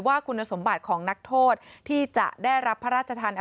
ว่าคุณสมบัติของนักโทษที่จะได้รับพระราชทาน